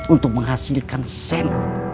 untuk menghasilkan sektor yang lebih baik